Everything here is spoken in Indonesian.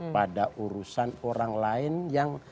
pada urusan orang lain yang